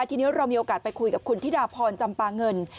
ทีนี้เรามีโอกาสไปคุยกับคุณธิดาพรจำปาเงิน